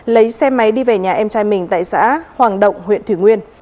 lấy xe máy đi về nhà em trai mình tại xã hoàng động huyện thủy nguyên